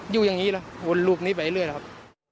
อยู่อย่างนี้แหละวนลูกนี้ไปเรื่อยแล้วครับ